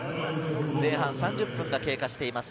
前半３０分が経過しています。